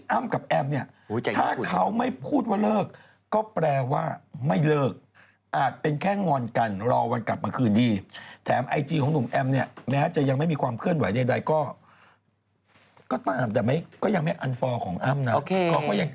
อ้าวอ้าวอ้าวอ้าวอ้าวอ้าวอ้าวอ้าวอ้าวอ้าวอ้าวอ้าวอ้าวอ้าวอ้าวอ้าวอ้าวอ้าวอ้าวอ้าวอ้าวอ้าวอ้าวอ้าวอ้าวอ้าวอ้าวอ้าวอ้าวอ้าวอ้าวอ้าวอ